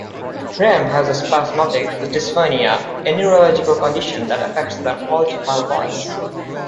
Rehm has spasmodic dysphonia, a neurological condition that affects the quality of her voice.